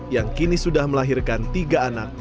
yang kini sudah melahirkan tiga anak